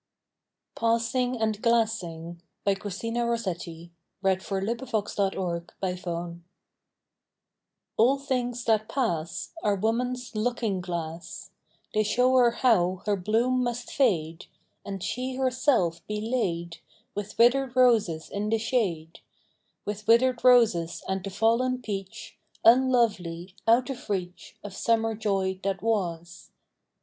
PASSING AND GLASSING. A LL things that pass Are woman's looking glass; They show her how her bloom must fade, And she herself be laid With withered roses in the shade; With withered roses and the fallen peach, Unlovely, out of reach Of summer joy that was.